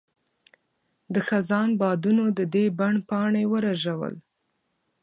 د خزان بادونو د دې بڼ پاڼې ورژول.